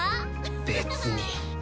別に。